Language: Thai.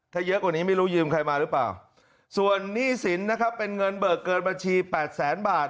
ถ้าเยอะกว่านี้ไม่รู้ยืมใครมาหรือเปล่าส่วนหนี้สินนะครับเป็นเงินเบิกเกินบัญชีแปดแสนบาท